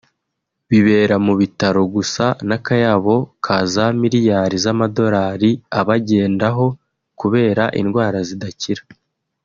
bibera mu bitaro gusa n’akayabo ka za miriyari z’amadorari abagendaho kubera indwara zidakira